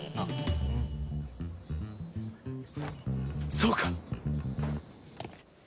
そうか！